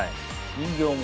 人形も。